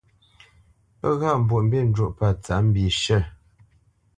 Pə́ ghâʼ Mbwoʼmbî njwōʼ pə̂ tsǎp mbishʉ̂.